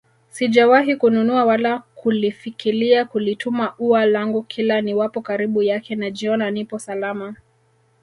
Sijawahi kununua wala kulifikilia kulituma ua langu kila niwapo karibu yake najiona nipo salama